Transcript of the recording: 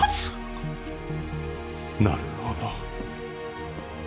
なるほど。